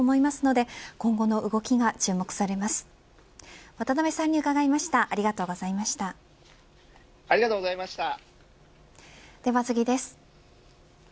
では次です。